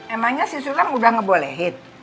emangnya si sultan udah ngebolehin